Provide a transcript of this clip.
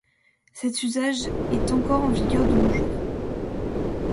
Cet usage est encore en vigueur de nos jours.